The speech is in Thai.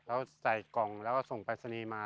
เขาใส่กล่องแล้วก็ส่งปรัสนีมา